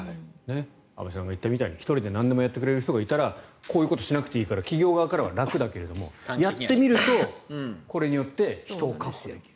安部さんが言ったみたいに１人でなんでもやってくれる人がいたらこういうことをしなくていいから企業側は楽だけどやってみるとこれによって人を確保できる。